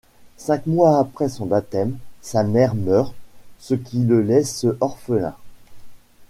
Cinq mois après son baptême, sa mère meurt, ce qui le laisse orphelin.